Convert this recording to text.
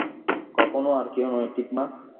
ককখনো আর কেউ নয়, ঠিক মা!